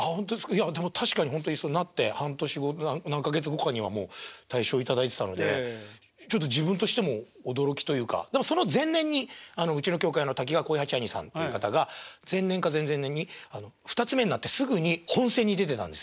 いやでも確かにほんとになって半年後何か月後かにはもう大賞頂いてたのでちょっと自分としても驚きというかでもその前年にうちの協会の瀧川鯉八あにさんっていう方が前年か前々年に二ツ目になってすぐに本選に出てたんですよ。